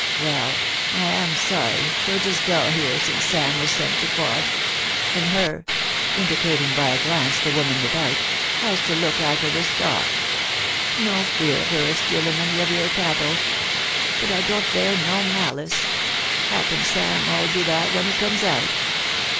Well, I am sorry, for it is dull here sin' Sara was sent to quod, and her '— indicating by a glance the woman without —' has to look arter the stock. No fear of her a'stealin anv of vour cattle. But I don't bear no malice — happen Sam 'ull do that when he comes out